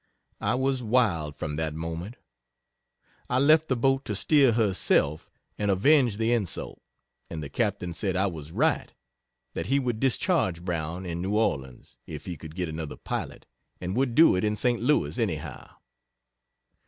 I was wild from that moment. I left the boat to steer herself, and avenged the insult and the Captain said I was right that he would discharge Brown in N. Orleans if he could get another pilot, and would do it in St. Louis, anyhow.